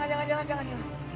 jangan jangan jangan